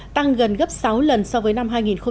tăng gần gấp sáu lần so với năm hai nghìn một mươi